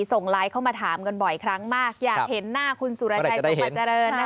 ส่งไลน์เข้ามาถามกันบ่อยครั้งมากอยากเห็นหน้าคุณสุรชัยสมบัติเจริญนะคะ